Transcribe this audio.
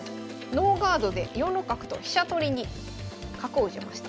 ノーガードで４六角と飛車取りに角を打ちました。